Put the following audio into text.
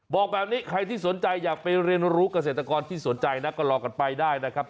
บอกแบบนี้ใครที่สนใจอยากไปเรียนรู้เกษตรกรที่สนใจนะก็รอกันไปได้นะครับ